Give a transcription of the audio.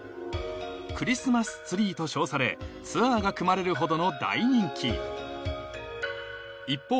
クリスマスツリーと称されツアーが組まれるほどの大人気一方